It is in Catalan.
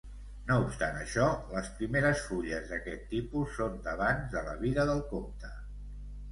No obstant això, les primeres fulles d'aquest tipus són d'abans de la vida del comte.